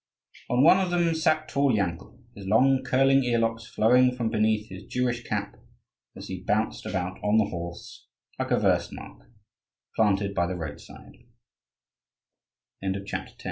On one of them sat tall Yankel, his long, curling ear locks flowing from beneath his Jewish cap, as he bounced about on the horse, like a verst mark planted by the roads